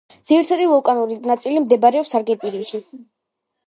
ძირითადი ვულკანური ნაწილი მდებარეობს არგენტინაში, კატამარკის პროვინციაში.